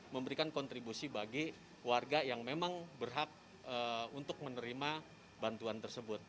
memberikan kontribusi bagi warga yang memang berhak untuk menerima bantuan tersebut